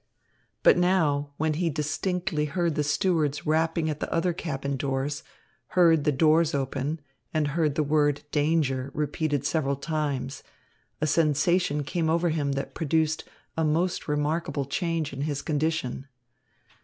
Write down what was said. But now, when he distinctly heard the stewards rapping at the other cabin doors, heard the doors open, and heard the word, "Danger," repeated several times, a sensation came over him that produced a most remarkable change in his condition.